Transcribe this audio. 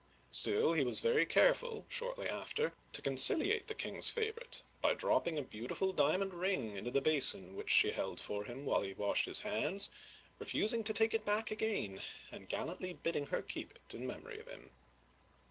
" Still, he was very careful, shortly after, to conciliate the king's favorite by dropping a beautiful diamond ring into the basin which she held for him while he washed his hands, refusing to take it back again and gallantly bidding her keep it in memory of him.